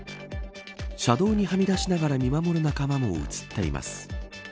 車道にはみ出しながら見守る仲間も映っています。